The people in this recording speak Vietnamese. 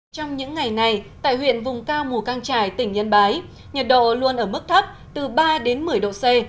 trong những ngày này tại huyện vùng cao mù căng trải tỉnh yên bái nhiệt độ luôn ở mức thấp từ ba đến một mươi độ c